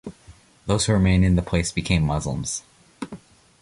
Those who remained in the place became Muslims.